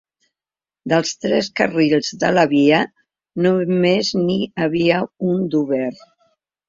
Dels tres carrils de la via, només n’hi havia un d’obert.